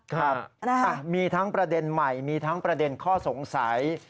ครับมีทั้งประเด็นใหม่มีทั้งประเด็นข้อสงสัย